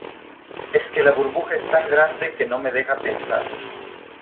es que la burbuja es tan grande, que no me deja pensar.